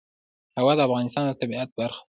هوا د افغانستان د طبیعت برخه ده.